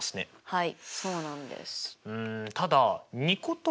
はい。